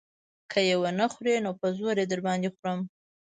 که يې ونه خورې نو په زور يې در باندې خورم.